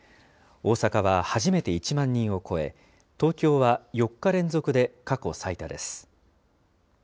大阪は初めて１万人を超え、東京は４日連続で過去最多です。